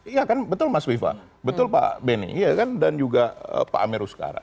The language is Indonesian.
iya kan betul mas wiva betul pak benny iya kan dan juga pak amer ustara